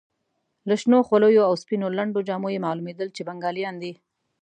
له شنو خولیو او سپینو لنډو جامو یې معلومېدل چې بنګالیان دي.